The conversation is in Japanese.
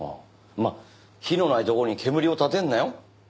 まあ火のない所に煙を立てるなよ。